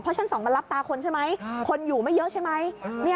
ชั้น๒มันรับตาคนใช่ไหมคนอยู่ไม่เยอะใช่ไหม